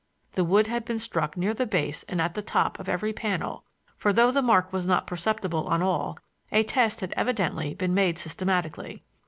The wood had been struck near the base and at the top of every panel, for though the mark was not perceptible on all, a test had evidently been made systematically.